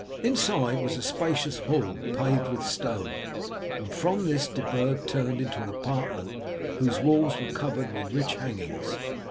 Inside was a spacious hall paved with stone, and from this De Burg turned into an apartment whose walls were covered with rich hangings.